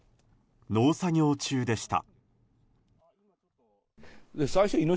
農作業中でした。